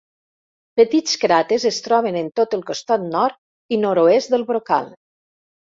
Petits cràters es troben en tot el costat nord i nord-oest del brocal.